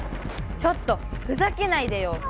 ちょっとふざけないでよ！